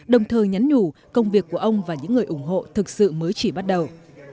đồng thời nhắn nhủ công việc của ông và những người ủng hộ thực sự mới chỉ bắt đầu